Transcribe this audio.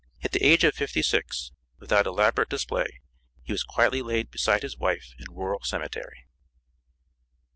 At the age of fifty six, without elaborate display, he was quietly laid beside his wife in Rural Cemetery.